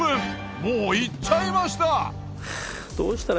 もう行っちゃいました。